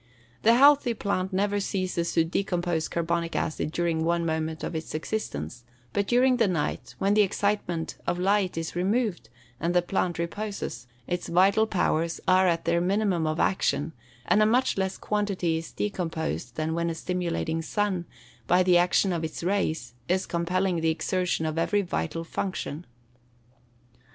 The healthy plant never ceases to decompose carbonic acid during one moment of its existence; but during the night, when the excitement of light is removed, and the plant reposes, its vital powers are at their minimum of action, and a much less quantity is decomposed than when a stimulating sun, by the action of its rays, is compelling the exertion of every vital function."